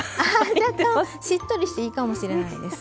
しっとりしていいかもしれないです。